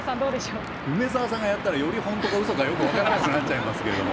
梅沢さんがやったら、本当に、本当かどうかよく分からなくなっちゃいますけど。